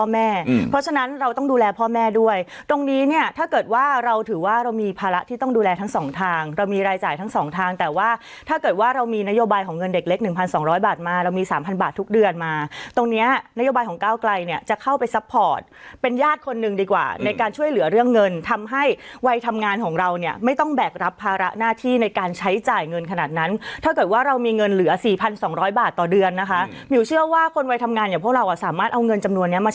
บาททุกเดือนมาตรงเนี้ยนโยบายของก้าวกลัยเนี้ยจะเข้าไปเป็นญาติคนนึงดีกว่าในการช่วยเหลือเรื่องเงินทำให้วัยทำงานของเราเนี้ยไม่ต้องแบกรับภาระหน้าที่ในการใช้จ่ายเงินขนาดนั้นถ้าเกิดว่าเรามีเงินเหลือสี่พันสองร้อยบาทต่อเดือนนะคะหมิวเชื่อว่าคนวัยทำงานอย่างพวกเราอ่ะสามารถเอาเงินจำนว